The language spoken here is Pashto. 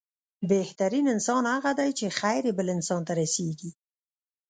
بهترين انسان هغه دی چې، خير يې بل انسان ته رسيږي.